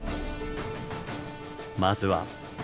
まずは。